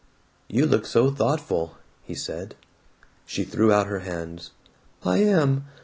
"You look so thoughtful," he said. She threw out her hands. "I am!